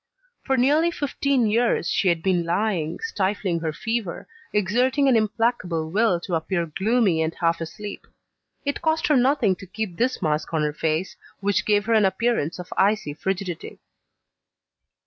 For nearly fifteen years, she had been lying, stifling her fever, exerting an implacable will to appear gloomy and half asleep. It cost her nothing to keep this mask on her face, which gave her an appearance of icy frigidity.